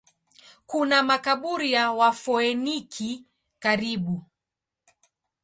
Kuna makaburi ya Wafoeniki karibu.